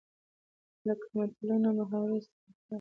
لکه متلونه، محاورې ،اصطلاحات